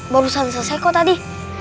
baru ustadz selesai kok tadi